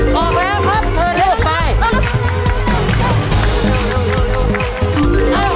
แล้วนะครับ